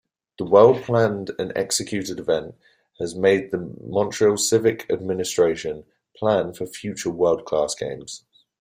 The well-planned-and-executed event has made the Montreal civic administration plan for future world-class games.